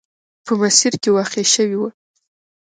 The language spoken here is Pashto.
په مسیر کې واقع شوې وه.